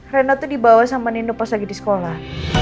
rena tuh dibawa sama nino pas lagi di sekolah